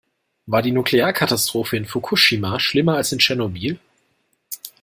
War die Nuklearkatastrophe in Fukushima schlimmer als in Tschernobyl?